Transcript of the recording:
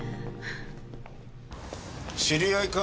知り合いか？